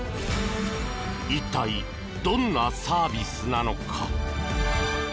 一体、どんなサービスなのか。